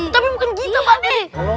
tapi bukan gitu pak ni